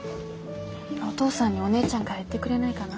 お父さんにお姉ちゃんから言ってくれないかな？